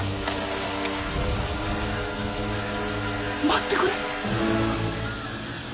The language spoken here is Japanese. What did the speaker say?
待ってくれ。